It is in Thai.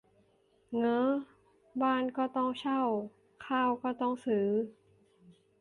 เง้อ บ้านก็ต้องเช่า ข้าวก็ต้องซื้อ